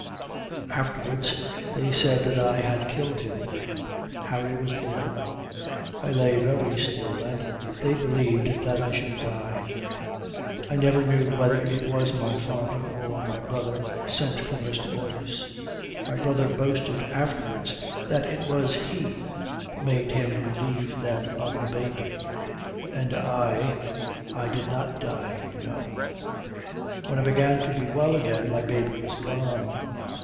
Afterwards they said that I had killed him. Harry was born. I lay very ill and they believed that I should die. I never knew whether it was my father or my brother sent for Mr. Boyce. My brother boasted afterwards that it was he made him relieve them of the baby. And I I did not die, you know. When I began to be well again my baby was gone.